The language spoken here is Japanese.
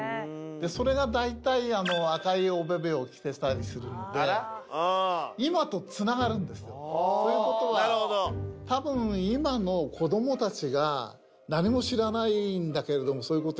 それがだいたい赤いおべべを着てたりするので今とつながるんですよ。ということはたぶん今の子供たちが何も知らないんだけれどもそういうことやるのは。